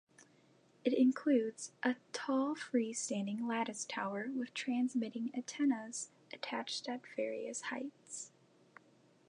It includes a tall free-standing lattice tower with transmitting antennas attached at various heights.